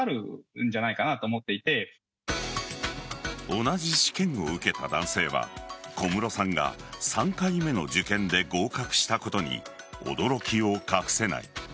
同じ試験を受けた男性は小室さんが３回目の受験で合格したことに驚きを隠せない。